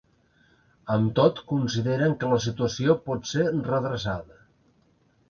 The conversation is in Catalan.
Amb tot, consideren que la situació pot ser redreçada.